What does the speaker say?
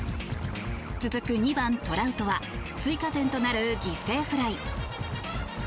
続く２番、トラウトは追加点となる犠牲フライ。